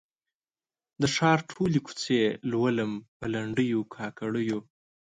د ښار ټولي کوڅې لولم په لنډېو، کاکړیو